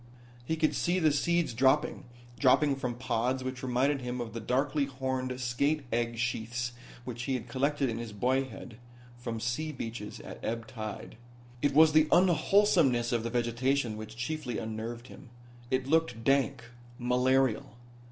He could see the seeds dropping dropping from pods which reminded him of the darkly horned skate egg sheaths which he had collected in his boyhood from sea beaches at ebb tide. It was the unwholesomeness of the vegetation which chiefly unnerved him. It looked dank, malarial.